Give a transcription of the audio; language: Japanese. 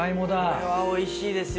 これはおいしいですよ。